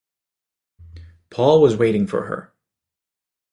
Paul was waiting for her.